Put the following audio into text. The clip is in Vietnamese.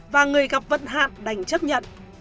và người gặp vận hạn đành chấp nhận